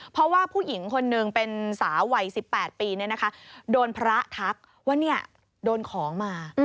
เพราะว่าผู้หญิงคนนึงเป็นสาววัย๑๘ปีโดนพระทักว่าโดนของมา